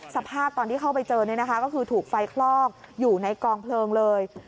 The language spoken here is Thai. สภาพตอนที่เข้าไปเจอก็คือถูกไฟคลอกอยู่ในกองเพลิงเลย